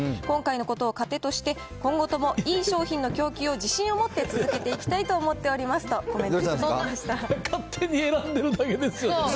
今回のことを糧として、今後ともいい商品の供給を自信を持って続けていきたいと思っておどうしました？